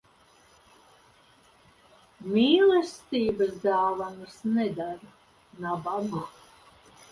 Mīlestības dāvanas nedara nabagu.